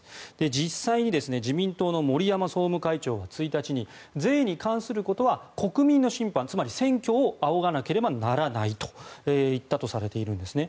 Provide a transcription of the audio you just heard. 実際に自民党の森山総務会長が１日に、税に関することは国民の審判つまり選挙を仰がなければならないといったとされるんですね。